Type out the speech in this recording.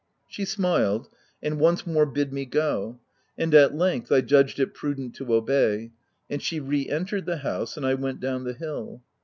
She smiled, and once more bid me go, — and, at length, I judged it prudent to obey ; and she re entered the house, and I went down the hill.